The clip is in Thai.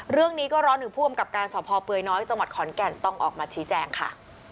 เรื่องนี้ก็ร้อนถึงผู้กำกับการสพเปลือยน้อยจังหวัดขอนแก่นต้องออกมาชี้แจงค่ะ